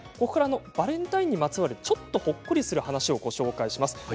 バレンタインにまつわるちょっとほっこりするお話をご紹介します。